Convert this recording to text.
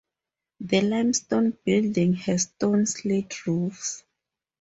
The limestone building has stone slate roofs.